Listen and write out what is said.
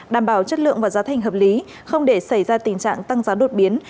đảm bảo chất lượng và giá thành hợp lý không để xảy ra tình trạng tăng giá đột biến